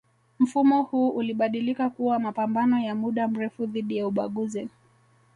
mfumo huu ulibadilika kuwa mapambano ya muda mrefu dhidi ya ubaguzi